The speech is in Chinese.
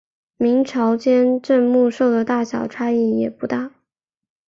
各朝间镇墓兽的大小差异也不大。